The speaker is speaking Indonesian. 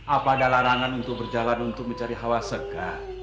apa ada larangan untuk berjalan untuk mencari hawa seka